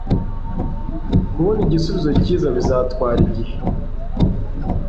Kubona igisubizo cyiza bizatwara igihe.